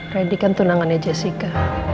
randy kan tunangannya jessica